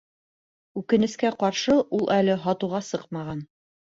Үкенескә ҡаршы, ул әле һатыуға сыҡмаған